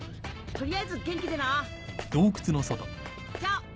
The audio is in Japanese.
取りあえず元気でなじゃあ。